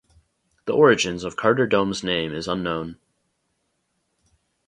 The origins of Carter Dome's name is unknown.